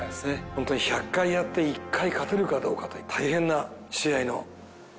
ホントに１００回やって１回勝てるかどうかという大変な試合の。